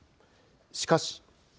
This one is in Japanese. しかし。